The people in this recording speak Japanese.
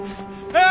ああ！